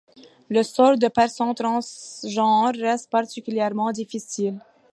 Le sort des personnes transgenres reste particulièrement difficile.